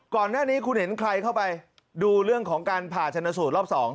ก่อนหน้านี้คุณเห็นใครเข้าไปดูเรื่องของการผ่าชนสูตรรอบ๒